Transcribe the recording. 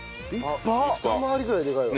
二回りぐらいでかいわ。